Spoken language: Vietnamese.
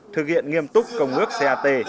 thực hiện nghiêm túc công ước cat